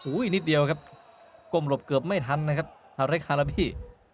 อีกนิดเดียวครับก้มหลบเกือบไม่ทันนะครับทาเล็กคาราบี้